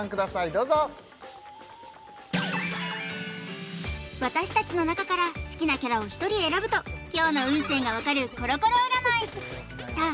どうぞ私達の中から好きなキャラを１人選ぶと今日の運勢が分かるコロコロ占いさあ